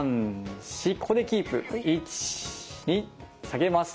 １２下げます。